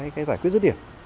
cái giải quyết xuất điểm